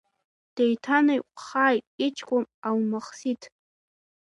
Деиҭанаиқәҟааит иҷкәын Алмахсиҭ.